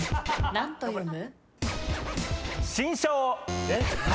何と読む？